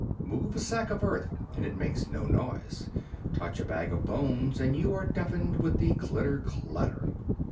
Move a sack of earth and it makes no noise ; touch a bag of bones and you are deafened with the clitter clatter."